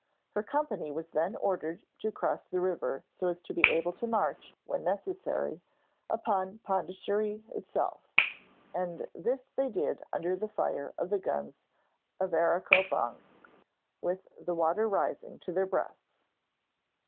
Her company was then ordered to cross the river so as to be able to march, when necessary, upon Pondicherry itself, and this they did under the fire of the guns of Areacopong, with the water rising to their breasts.